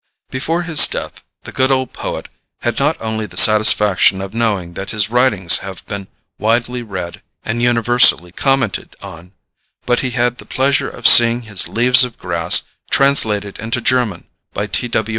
Before his death the good old poet had not only the satisfaction of knowing that his writings have been widely read and universally commented on, but he had the pleasure of seeing his "Leaves of Grass" translated into German by T. W.